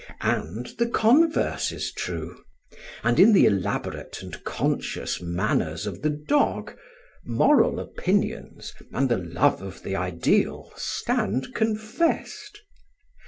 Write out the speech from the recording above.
And the converse is true; and in the elaborate and conscious manners of the dog, moral opinions and the love of the ideal stand confessed.